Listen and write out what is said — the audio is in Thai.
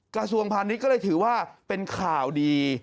กระทรวงพาณิชย์ก็เลยถือว่าเป็นข่าวดี